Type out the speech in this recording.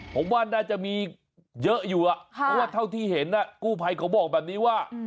ผมว่าน่าจะมีเยอะอยู่เพราะว่าเท่าที่เห็นกู้ภัยเขาบอกแบบนี้ว่า